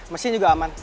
mesin juga aman